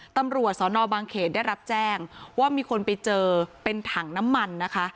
ตำรวจสนบางเขตได้รับแจ้งว่ามีคนไปเจอเป็นถังน้ำมันนะคะ